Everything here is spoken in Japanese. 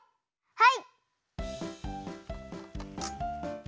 はい。